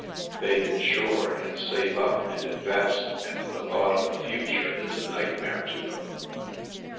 They insure and save up and invest, and the thought of the future is a nightmare to them."